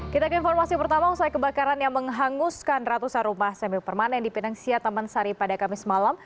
kita ke informasi pertama usai kebakaran yang menghanguskan ratusan rumah semi permanen di penangsia taman sari pada kamis malam